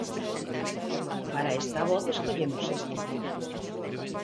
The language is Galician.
Para esta voz escollemos este.